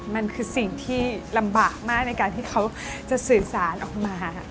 มันคือสิ่งที่ลำบากมากในการที่เขาจะสื่อสารออกมา